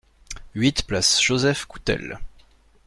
huit place Joseph Coutel